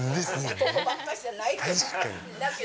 ここばっかしじゃないから。